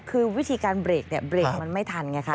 คือวิธีการเบรกเนี่ยเบรกมันไม่ทันไงคะ